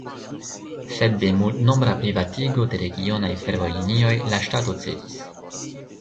Sed de multnombra privatigo de regionaj fervojlinioj la ŝtato cedis.